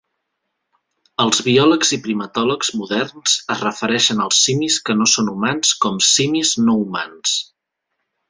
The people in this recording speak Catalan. Els biòlegs i primatòlegs moderns es refereixen als simis que no són humans com simis "no humans".